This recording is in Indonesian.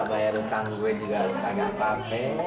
dari tang gue juga agak agak paham